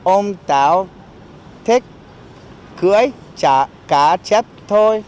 ông táo thích cưỡi cá chép thôi